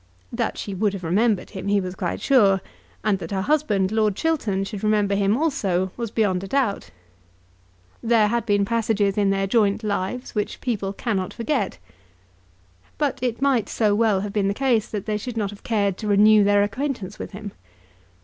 That she would have remembered him, he was quite sure, and that her husband, Lord Chiltern, should remember him also, was beyond a doubt. There had been passages in their joint lives which people cannot forget. But it might so well have been the case that they should not have cared to renew their acquaintance with him.